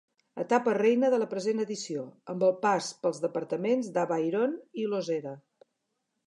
Etapa reina de la present edició, amb el pas pels departaments d'Avairon i Losera.